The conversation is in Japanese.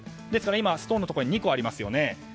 ですからストーンのところに２個ありますよね。